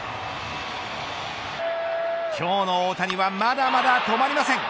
今日の大谷はまだまだ止まりません。